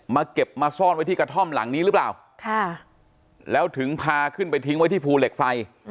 เก็บมาซ่อนไว้ที่กระท่อมหลังนี้หรือเปล่าแล้วถึงพาขึ้นไปทิ้งไว้ที่ภูเหล็กไฟ